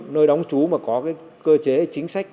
nơi đóng trú mà có cơ chế chính sách